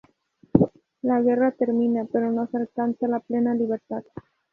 La guerra termina pero no se alcanza la plena libertad.